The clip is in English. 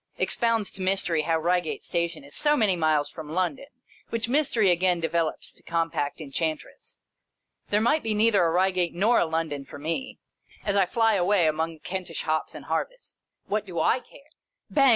Expounds to Mys tery how Eeigate Station is so many miles from London, which Mystery again develops to Compact Enchantress. There might be neither a Eeigate nor a London for me, as I flyaway among the Kentish hops and harvest. What do / care ! Bang!